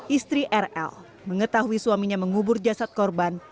istri rl mengetahui suaminya mengubur jasad korban